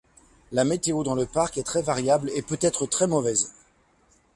La météo dans le parc est très variable et peut être très mauvaise.